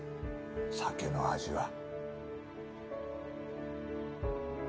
酒の味は。